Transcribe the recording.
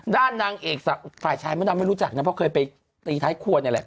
ด้านนางเอกฝ่ายชายเมื่อนั้นไม่รู้จักนะเพราะเคยไปตีไทยครัวเนี่ยแหละ